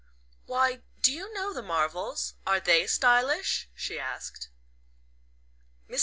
"Why, do you know the Marvells? Are THEY stylish?" she asked. Mrs.